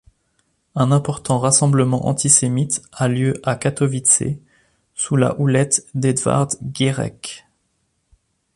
Un important rassemblement antisémite a lieu à Katowice sous la houlette d'Edward Gierek.